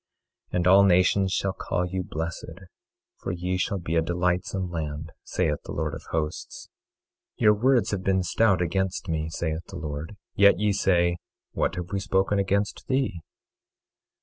24:12 And all nations shall call you blessed, for ye shall be a delightsome land, saith the Lord of Hosts. 24:13 Your words have been stout against me, saith the Lord. Yet ye say: What have we spoken against thee?